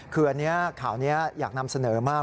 คืออันนี้ข่าวนี้อยากนำเสนอมาก